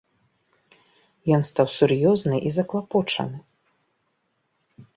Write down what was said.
Ён стаў сур'ёзны і заклапочаны.